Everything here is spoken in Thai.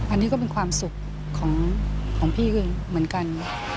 อันนี้ก็เป็นความสุขของพี่เองเหมือนกัน